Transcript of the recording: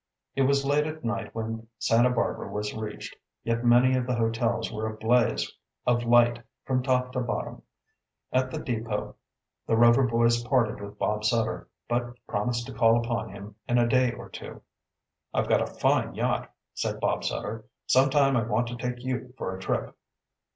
It was late at night when Santa Barbara was reached, yet many of the hotels were a blaze of light from top to bottom. At the depot the Rover boys parted with Bob Sutter, but promised to call upon him in a day or two. "I've got a fine yacht," said Bob Sutter. "Some time I want to take you for a trip."